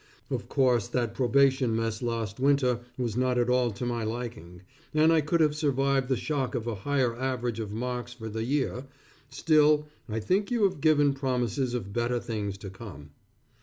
Of course that probation mess last winter was not at all to my liking, and I could have survived the shock of a higher average of marks for the year, still I think you have given promises of better things to come.